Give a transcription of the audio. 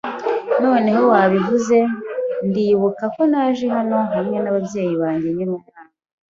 Noneho wabivuze, ndibuka ko naje hano hamwe nababyeyi banjye nkiri umwana.